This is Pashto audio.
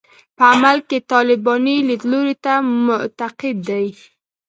په عمل کې طالباني لیدلوري ته معتقد دي.